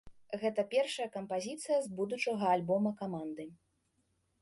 Гэта першая кампазіцыя з будучага альбома каманды.